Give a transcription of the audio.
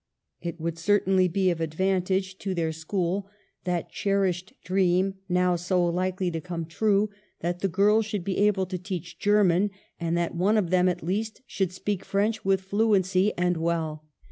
It would certainly be of advantage to their 138 EMILY BRONTE. school, that cherished dream now so likely to come true, that the girls should be able to teach German, and that one of them at least should speak French with fluency and well.